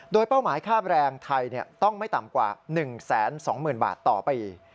โดยเป้าหมายค่าแรงไทยต้องไม่ต่ำกว่า๑๒๐๐๐บาทต่อปี